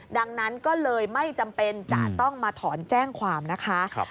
ดังนั้นก็เลยไม่จำเป็นจะต้องมาถอนแจ้งความนะคะ